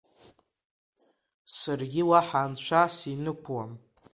Саргьы уаҳа анцәа синықәуам.